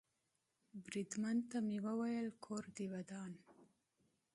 بریدمن ته مې وویل: کور دې ودان.